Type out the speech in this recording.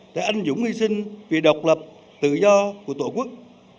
đây anh dũng ghi xin vì độc lập tự do của tổ quốc